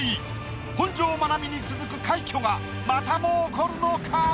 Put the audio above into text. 本上まなみに続く快挙がまたも起こるのか？